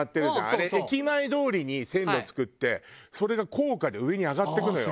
あれ駅前通りに線路作ってそれが高架で上に上がっていくのよ。